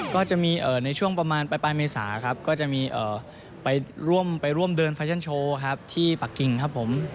ก็จะมีในช่วงประมาณปลายเมษาครับก็จะมีไปร่วมเดินแฟชั่นโชว์ครับที่ปะกิ่งครับผม